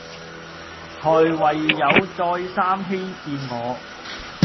才唯有再三欺騙我